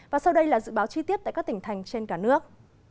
và sau đây là dự báo chi tiết tại các tỉnh thành trên cả nước